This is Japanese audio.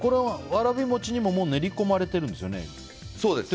わらび餅にももう練り込まれてるんですよね。